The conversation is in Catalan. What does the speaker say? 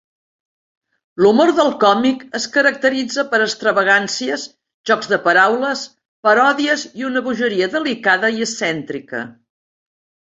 L'humor del còmic es caracteritza per extravagàncies, jocs de paraules, paròdies i una bogeria delicada i excèntrica.